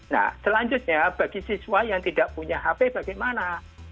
nah selanjutnya bagi siswa yang tidak punya hp bagaimana